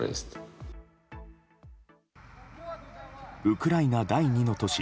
ウクライナ第２の都市